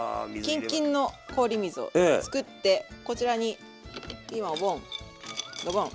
キンキンの氷水を作ってこちらにピーマンをボンドボン。